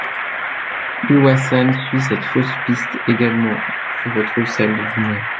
Uwasan suit cette fausse piste également puis retrouve celle de Vouner.